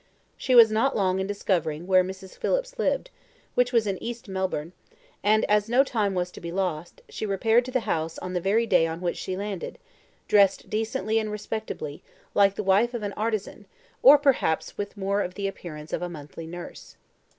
She was not long in discovering where Mrs. Phillips lived, which was in East Melbourne; and as no time was to be lost, she repaired to the house on the very day on which she landed, dressed decently and respectably, like the wife of an artisan, or perhaps with more of the appearance of a monthly nurse.